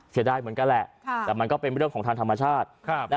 เสียดายเหมือนกันแหละแต่มันก็เป็นเรื่องของทางธรรมชาติ